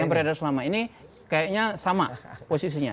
yang beredar selama ini kayaknya sama posisinya